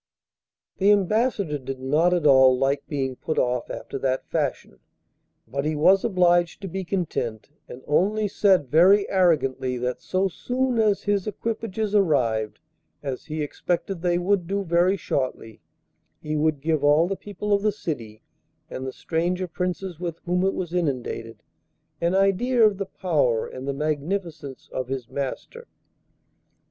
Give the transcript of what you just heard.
The Ambassador did not at all like being put off after that fashion, but he was obliged to be content, and only said very arrogantly that so soon as his equipages arrived, as he expected they would do very shortly, he would give all the people of the city, and the stranger Princes with whom it was inundated, an idea of the power and the magnificence of his master.